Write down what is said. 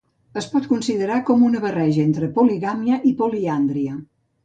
Es pot considerar com una barreja entre poligàmia i poliàndria.